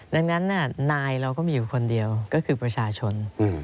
ดังนั้นนายเราก็มีอยู่คนเดียวก็คือประชาชน